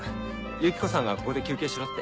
ユキコさんがここで休憩しろって。